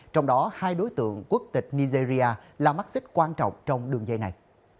trong đó hai đối tượng quốc tịch nigeria là mắc xích quan trọng trong đường dây này